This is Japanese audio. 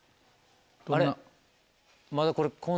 あれ？